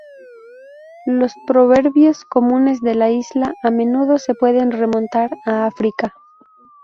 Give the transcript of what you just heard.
Los proverbios comunes de las islas a menudo se pueden remontar a África.